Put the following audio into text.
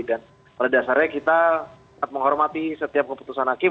dan pada dasarnya kita menghormati setiap keputusan hakim